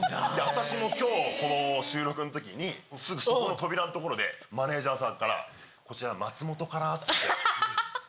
私も今日この収録の時にすぐそこの扉の所でマネジャーさんから「こちら松本から」って言って。